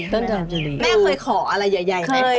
แม่เคยขออะไรใหญ่ไหม